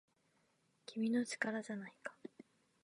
君の力じゃないか